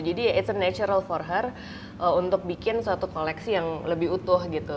jadi it's a natural for her untuk bikin sebuah koleksi yang lebih utuh gitu